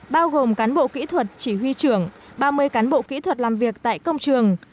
bao gồm cán bộ kỹ thuật chỉ huy trưởng ba mươi cán bộ kỹ thuật làm việc tại công trường